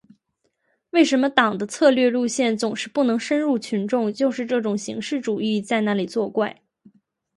为什么党的策略路线总是不能深入群众，就是这种形式主义在那里作怪。